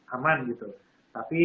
aman gitu tapi